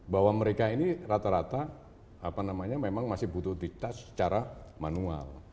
bahwa mereka ini rata rata memang masih butuh ditas secara manual